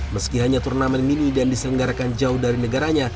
meski hanya turnamen mini dan diselenggarakan jauh dari negaranya